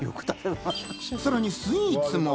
さらにスイーツも。